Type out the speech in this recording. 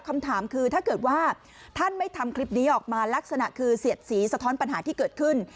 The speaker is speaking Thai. คำถามคือถ้าเกิดว่าท่านไม่ทำคลิปนี้ออกมาลักษณะคือเสียดสีสะท้อนปัญหาที่เกิดขึ้น